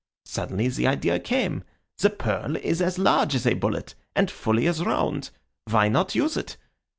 Suddenly the idea came, the pearl is as large as a bullet, and fully as round. Why not use it?